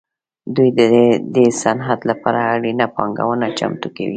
دوی د دې صنعت لپاره اړینه پانګونه چمتو کوي